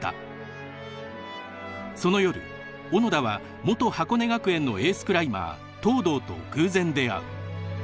その夜小野田は元箱根学園のエースクライマー東堂と偶然出会う。